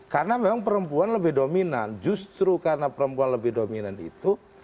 karena memang perempuan lebih dominan justru karena perempuan lebih dominan itu